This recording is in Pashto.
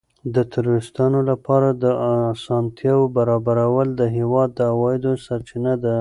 د توریستانو لپاره د اسانتیاوو برابرول د هېواد د عوایدو سرچینه ده.